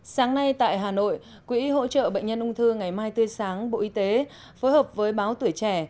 sáng nay tại hà nội quỹ hỗ trợ bệnh nhân ung thư ngày mai tươi sáng bộ y tế phối hợp với báo tuổi trẻ